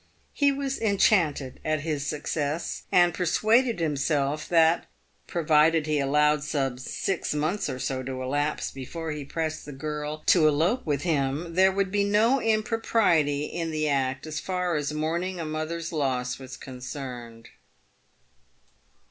He was enchanted at his success, and persuaded himself that, provided he allowed some six months or so to elapse before he pressed the girl to elope with him, there would be no impropriety in the act as far as mourning a mother's loss was concerned.